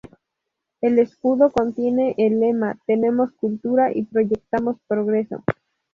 El escudo contiene el lema "Tenemos cultura, proyectamos progreso".